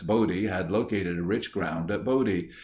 Body had located rich ground at Bodie.